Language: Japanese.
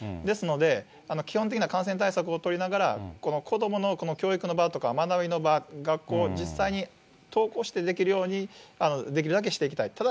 ですので、基本的な感染対策を取りながら、この子どもの教育の場とか、学びの場、学校、実際に登校してできるようにできるだけしていきたい。